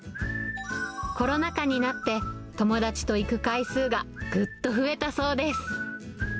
コロナ禍になって、友達と行く回数がぐっと増えたそうです。